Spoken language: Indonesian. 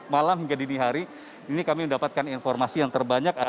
malam hingga dini hari ini kami mendapatkan informasi yang terbanyak